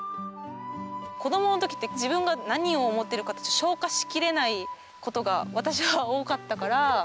子どものときって自分が何を思ってるかって消化しきれないことが私は多かったから。